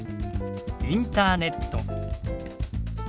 「インターネット」。